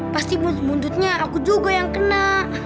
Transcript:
pasti mundut mundutnya aku juga yang kena